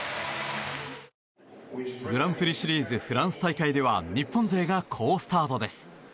グランプリシリーズフランス大会では日本勢が好スタートです。